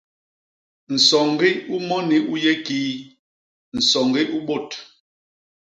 Nsoñgi u moni u yé kii? nsoñgi u bôt.